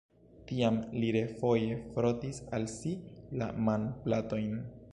Tiam li refoje frotis al si la manplatojn.